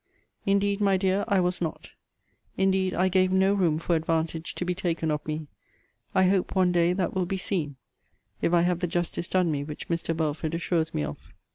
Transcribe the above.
Indeed, my dear, I was not. Indeed I gave no room for advantage to be taken of me. I hope, one day, that will be seen, if I have the justice done me which Mr. Belford assures me of.